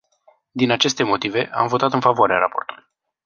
Din aceste motive, am votat în favoarea raportului.